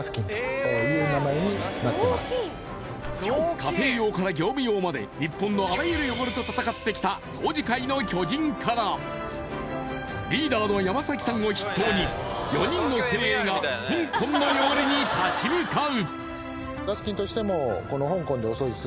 家庭用から業務用まで日本のあらゆる汚れと闘ってきた掃除界の巨人から、リーダーの山崎さんを筆頭に４人の精鋭が香港の汚れに立ち向かう。